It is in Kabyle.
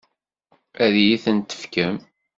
Ad iyi-ten-tefkem?